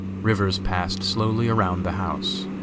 Rivers passed slowly around the house.